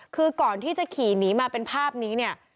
คือก่อนที่จะขี่หนีมาเป็นภาพนี้เนี่ย